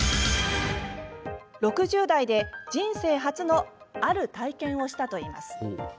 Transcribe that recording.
６０代で人生初のある体験をしたといいます。